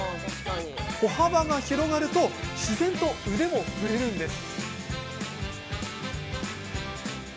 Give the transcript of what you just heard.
歩幅が広がると自然と腕も振れるんです。